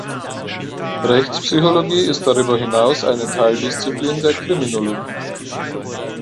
Rechtspsychologie ist darüber hinaus eine Teildisziplin der Kriminologie.